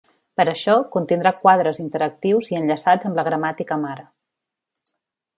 Per això contindrà quadres interactius i enllaçats amb la gramàtica mare.